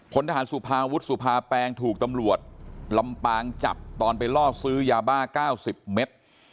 พลทหารสุภาวุฒิสุภาแปงถูกตำรวจลำปางจับตอนไปล่อซื้อยาบ้า๙๐เมตร